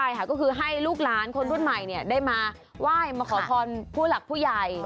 ใช่ค่ะก็คือให้ลูกหลานคนรุ่นใหม่ได้มาไหว้มาขอพรผู้หลักผู้ใหญ่